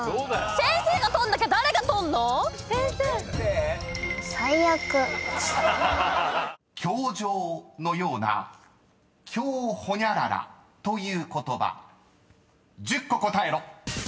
先生が取んなきゃ誰が取んの⁉［「教場」のような「教ホニャララ」という言葉１０個答えろ］